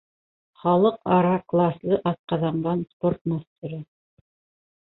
Халыҡ-ара класлы атҡаҙанған спорт мастеры